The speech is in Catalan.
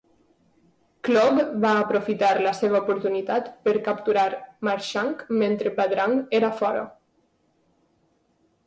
Clogg va aprofitar la seva oportunitat per capturar Marshank mentre Badrang era fora.